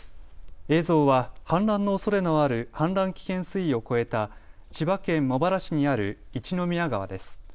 映像は氾濫のおそれのある氾濫危険水位を超えた千葉県茂原市にある一宮川です。